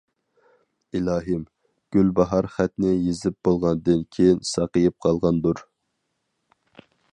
ئىلاھىم، گۈلباھار خەتنى يېزىپ بولغاندىن كىيىن ساقىيىپ قالغاندۇر.